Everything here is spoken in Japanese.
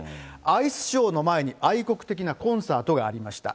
アイスショーの前に、愛国的なコンサートがありました。